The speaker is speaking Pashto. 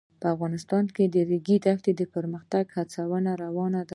افغانستان کې د د ریګ دښتې د پرمختګ هڅې روانې دي.